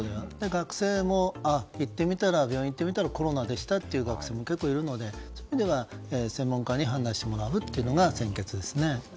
学生も病院に行ってみたらコロナでしたということも結構いるのでそういう意味では専門家に判断してもらうというのが先決ですね。